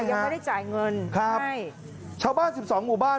ยังไม่ได้จ่ายเงินให้ใช่ครับชาวบ้าน๑๒หมู่บ้าน